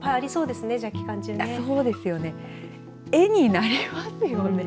そうですよね。